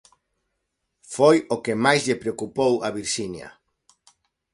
Foi o que máis lle preocupou a Virxinia.